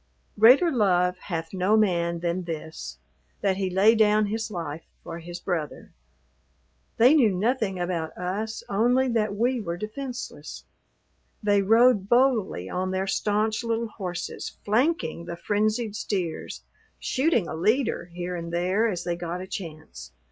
"Greater love hath no man than this: that he lay down his life for his brother." They knew nothing about us only that we were defenseless. They rode boldly on their stanch little horses flanking the frenzied steers, shooting a leader here and there as they got a chance.